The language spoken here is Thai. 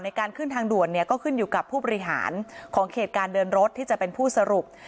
การขึ้นทางด่วนเนี่ยก็ขึ้นอยู่กับผู้บริหารของเขตการเดินรถที่จะเป็นผู้สรุป